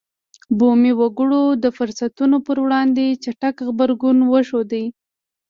بومي وګړو د فرصتونو پر وړاندې چټک غبرګون وښود.